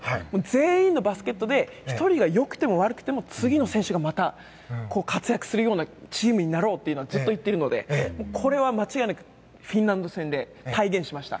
全員のバスケットで１人が良くても悪くても次の選手がまた活躍するようなチームになろうとずっと言っているのでこれは間違いなくフィンランド戦で体現しました。